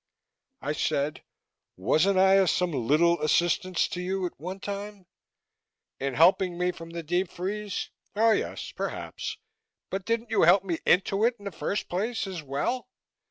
I said, "Wasn't I of some little assistance to you at one time?" "In helping me from the deep freeze? Oh, yes, perhaps. But didn't you help me into it in the first place, as well?